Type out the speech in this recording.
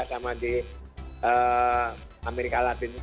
sama di amerika latin